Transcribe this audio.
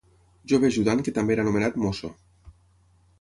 Jove ajudant que també era anomenat mosso.